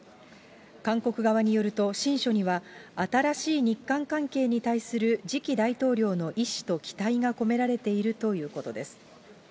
韓国側によると、親書には新しい日韓関係に対する次期大統領の意志と期待が込められているということです。